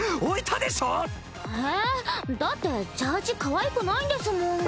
⁉えっ？だってジャージかわいくないんですもん。